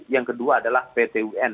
yang kedua adalah pt un